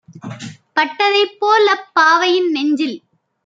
பட்டதைப் போல்அப் பாவையின் நெஞ்சில்